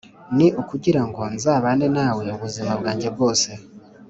ni ukugira ngo nzabane nawe ubuzima bwanjye bwose